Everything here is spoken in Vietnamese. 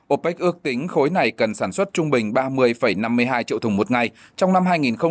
opec ước tính khối này cần sản xuất trung bình ba mươi năm mươi hai triệu thùng một ngày trong năm hai nghìn hai mươi